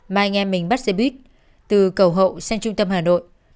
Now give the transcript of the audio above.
mai anh em mình bắt xe buýt từ cầu hậu sang trung tâm hà nội